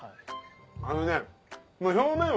あのね。